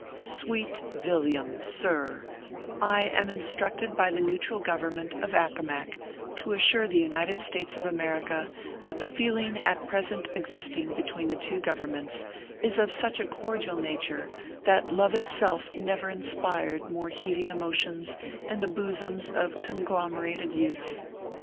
SWEET VILLIAM SIR : I am instructed by the neutral Government of Accomac to assure the United States of America, that the feeling at present exist ing between the two Governments is of such a cordial nature, that love itself never inspired more heaving emotions in the buzzums of conglomerated youth.